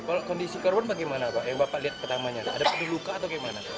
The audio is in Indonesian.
kalau kondisi korban bagaimana pak yang bapak lihat pertamanya ada tadi luka atau bagaimana